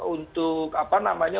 untuk apa namanya